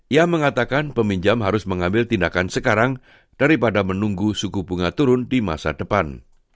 ia mengatakan peminjam harus mengambil tindakan sekarang daripada menunggu suku bunga turun di masa depan